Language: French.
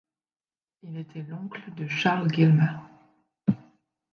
Il était l'oncle de Charles Gilmer.